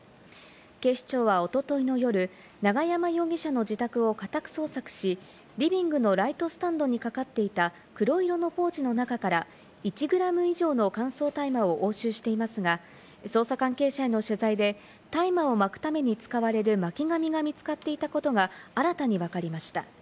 警視庁はおとといの夜、永山容疑者の自宅を家宅捜索し、リビングのライトスタンドにかかっていた黒色のポーチの中から１グラム以上の乾燥大麻を押収していますが、捜査関係者への取材で大麻を巻くために使われる巻き紙が見つかっていたことが新たにわかりました。